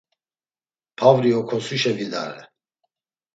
Pavri okosuşe vidare.